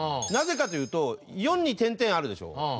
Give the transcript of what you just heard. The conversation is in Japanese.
なぜかというと４に点々あるでしょ？